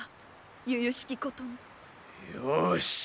よし！